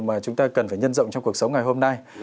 mà chúng ta cần phải nhân rộng trong cuộc sống ngày hôm nay